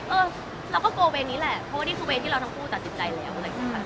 เออเราก็กลัวเวรนี้แหละเพราะว่านี่คือเวรที่เราทั้งคู่ตัดสินใจแล้วอะไรอย่างนี้ค่ะ